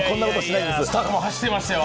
スタッフも走ってましたよ。